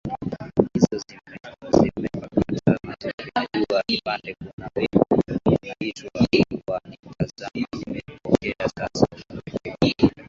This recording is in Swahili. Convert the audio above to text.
hizo nimekamata vizuri na Najua kupenda kuna wimbo unaitwa Wanitazama Nimekupokea Sasa ukirejea katika